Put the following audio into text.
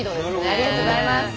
ありがとうございます。